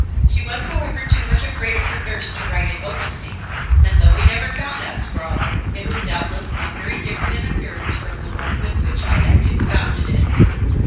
She was, however, too much afraid of her nurse to write it openly, and though we never found that scrawl, it was doubtless not very different in appearance from the one with which I had confounded it.